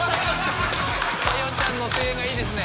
桜代ちゃんの声援がいいですね。